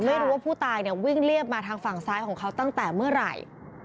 ไม่รู้ว่าผู้ตายเนี่ยวิ่งเรียบมาทางฝั่งซ้ายของเขาตั้งแต่เมื่อไหร่